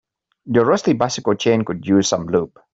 Your rusty bicycle chain could use some lube.